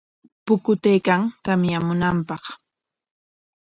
Pukutaykan, tamyamunqañam.